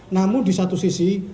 namun di satu sisi